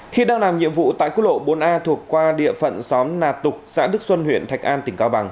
khi đang làm nhiệm vụ tại quốc lộ bốn a thuộc qua địa phận xóm nà tục xã đức xuân huyện thạch an tỉnh cao bằng